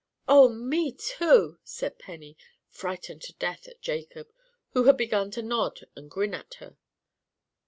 "Oh, me too," said Penny, frightened to death at Jacob, who had begun to nod and grin at her.